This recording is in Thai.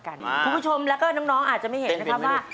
คุณผู้ชมแล้วก็น้องอาจจะไม่เห็นนะครับว่า